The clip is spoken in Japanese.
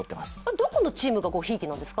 どこのチームがごひいきなんですか？